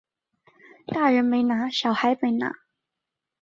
大人没拿小孩没拿